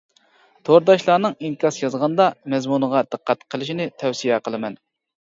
تورداشلارنىڭ ئىنكاس يازغاندا مەزمۇنىغا دىققەت قىلىشىنى تەۋسىيە قىلىمەن.